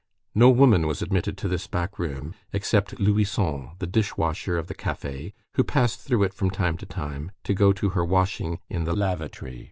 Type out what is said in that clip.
No woman was admitted to this back room, except Louison, the dish washer of the café, who passed through it from time to time, to go to her washing in the "lavatory."